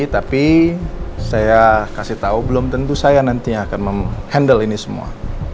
tapi saya kasih tahu belum tentu saya nantinya akan menghandle ini semua